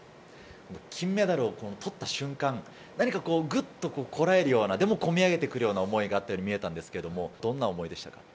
金メダルを取った瞬間、何かグッと堪えるような、でもこみ上げてくるような思いがあったように見えたんですけれど、どんな思いでした？